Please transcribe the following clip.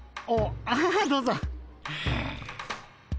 ああどうぞ。